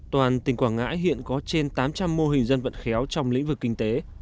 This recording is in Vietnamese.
toàn tỉnh quảng ngãi hiện có trên tám trăm linh mô hình dân vận khéo trong lĩnh vực kinh tế